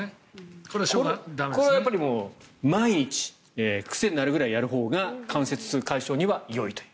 これは毎日癖になるぐらいなるほうが関節痛解消にはよいと。